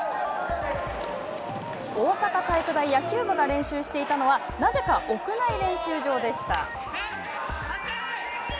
大阪体育大野球部が練習していたのはなぜか屋内練習場でした。